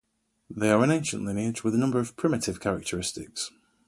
They are an ancient lineage with a number of primitive characteristics.